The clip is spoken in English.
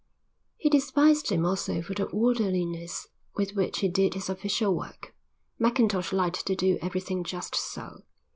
He despised him also for the orderliness with which he did his official work. Mackintosh liked to do everything just so.